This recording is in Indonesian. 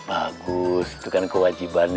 bagus itu kan kewajibannya